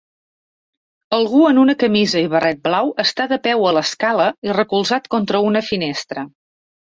Algú en una camisa i barret blau està de peu a l'escala i recolzat contra una finestra.